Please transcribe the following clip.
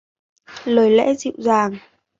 Lời lẽ dịu dàng